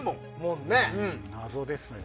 謎ですね。